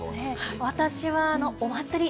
私はお祭り。